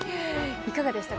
いかがでしたか？